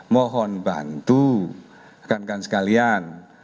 mohon bantu rekan rekan sekalian